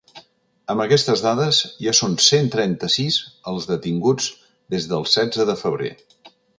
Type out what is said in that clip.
Amb aquestes dades ja són cent trenta-sis els detinguts des del setze de febrer.